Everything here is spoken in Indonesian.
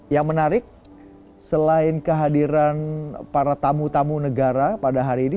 yang menarik selain kehadiran para tamu tamu negara pada hari ini